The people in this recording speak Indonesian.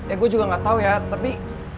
ya gue juga gak tau ya tapi